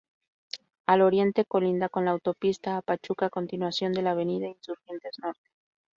Al oriente colinda con la Autopista a Pachuca, continuación de la Avenida Insurgentes Norte.